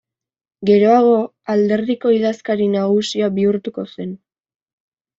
Geroago, alderdiko idazkari nagusia bihurtuko zen.